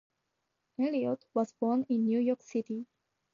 Elliot was born in New York City.